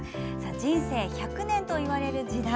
人生１００年といわれる時代。